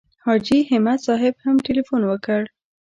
حاجي همت صاحب هم تیلفون وکړ.